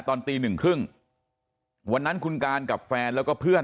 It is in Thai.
ตอนตีหนึ่งครึ่งวันนั้นคุณการกับแฟนแล้วก็เพื่อน